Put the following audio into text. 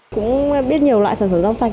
cũng biết nhiều loại sản phẩm rau sạch